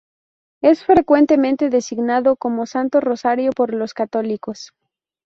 Es frecuentemente designado como Santo Rosario por los católicos.